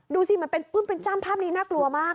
ดูสิมันเป็นปื้มเป็นจ้ำภาพนี้น่ากลัวมาก